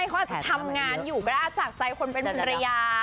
ไม่เขาอาจจะทำงานอยู่มาจากใจคนเป็นภรรยา